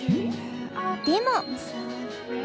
でも。